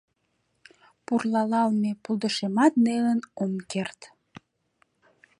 Пурлалалме пултышемат нелын ом керт.